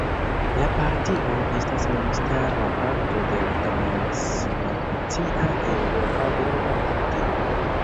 La partio estas memstara parto de la transnacia Eŭropa Verda Partio.